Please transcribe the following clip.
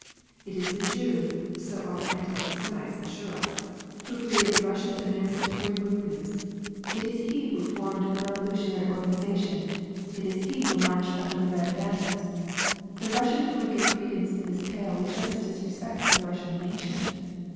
It is the Jew, so our anti Semites assure us who created the Russian emancipatory movements, it is he who formed the revolutionary organisation, it is he who marched under the red banners.... The Russian who would give credence to this tale would show his disrespect for the Russian nation.